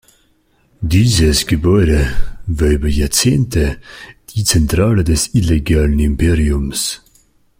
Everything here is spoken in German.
Dieses Gebäude war über Jahrzehnte die Zentrale des illegalen Imperiums.